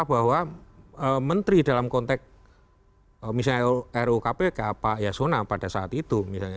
bahwa menteri dalam konteks misalnya ru kpk pak yasona pada saat itu misalnya